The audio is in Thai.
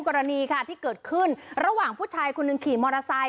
กรณีค่ะที่เกิดขึ้นระหว่างผู้ชายคนหนึ่งขี่มอเตอร์ไซค